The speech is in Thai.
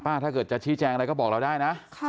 ถ้าเกิดจะชี้แจงอะไรก็บอกเราได้นะ